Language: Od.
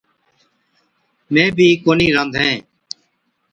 مين بِي ڪونھِي رانڌين۔